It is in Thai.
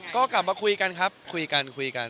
ก็กลับมาคุยกันครับคุยกันคุยกัน